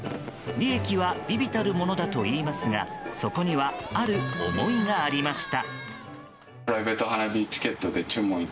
利益は微々たるものだといいますがそこにはある思いがありました。